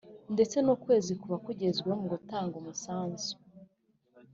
ndetse n’ukwezi kuba kugezweho mu gutanga umusanzu